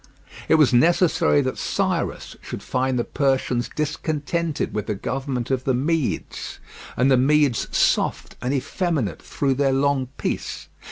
It was necessary that Cyrus should find the Persians discontented with the government of the Medes, and the Medes soft and effeminate through their long peace.